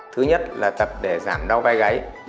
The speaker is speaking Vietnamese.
thứ nhất là tập để giảm đau vai gái